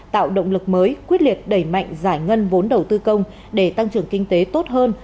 tạo động lực mới quyết liệt đẩy mạnh giải ngân vốn đầu tư công để tăng trưởng kinh tế tốt hơn